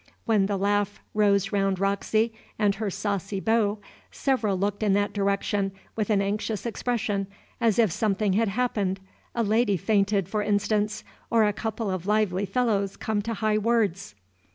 When the laugh rose around Roxy and her saucy beau, several looked in that direction with an anxious expression, as if something had happened, a lady fainted, for instance, or a couple of lively fellows come to high words.